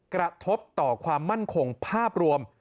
กระทบต่อความมั่นคงภาพรวม